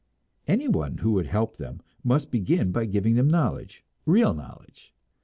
Anyone who would help them must begin by giving them knowledge, real knowledge.